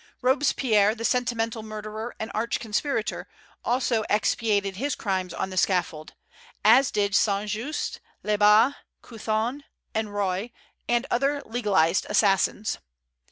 Robespierre, the sentimental murderer and arch conspirator, also expiated his crimes on the scaffold; as did Saint Just, Lebas, Couthon, Henriot, and other legalized assassins.